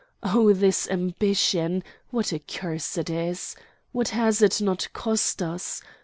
Oh, this ambition! What a curse it is! What has it not cost us?